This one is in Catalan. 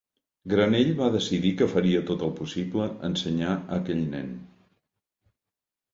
Granell va decidir que faria tot el possible ensenyar a aquell nen.